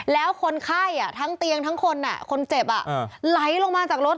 แล้วคนไข้ทั้งเตียงทั้งคนคนเจ็บไหลลงมาจากรถ